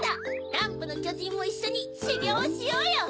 ランプのきょじんもいっしょにしゅぎょうしようよ！